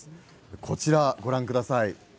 こちらをご覧ください。